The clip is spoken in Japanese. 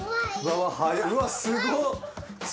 うわすごっ！